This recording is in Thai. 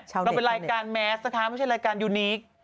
เราเป็นรายการแมสนะคะไม่ใช่รายการยูนิค